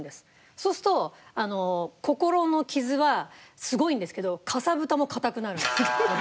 そうすると心の傷はすごいんですけどカサブタも固くなるんです。